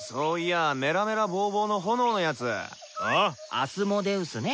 アスモデウスね。